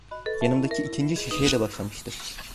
Yanımdaki ikinci şişeye de başlamıştı.